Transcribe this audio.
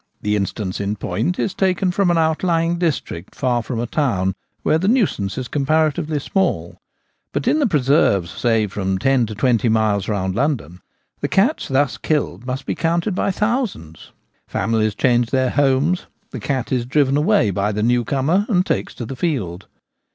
The instance in point is taken from an out lying district far from a town, where the nuisance is comparatively small ; but in the preserves say from ten to twenty miles round London the cats thus killed must be counted by thousands. Families change their homes, the cat is driven away by the new comer and takes to the field.